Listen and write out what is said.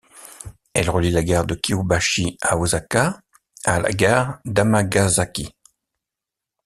Elle relie la gare de Kyōbashi à Osaka à la gare d'Amagasaki.